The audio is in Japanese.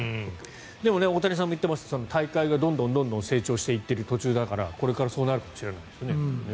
でも大谷さんも言ってました大会がどんどん成長していってる途中だからこれからそうなるかもしれないです。